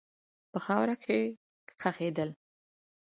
په خاوره کښې خښېدل